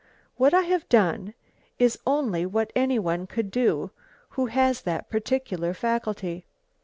"What I have done is only what any one could do who has that particular faculty.